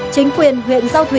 chính quyền huyện giao thủy